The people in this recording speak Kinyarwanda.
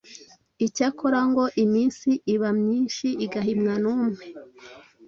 Icyakora ngo: “Iminsi iba myinshi igahimwa n’umwe!”